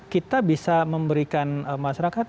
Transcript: kita bisa memberikan masyarakat